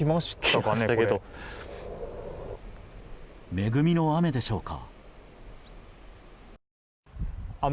恵みの雨でしょうか。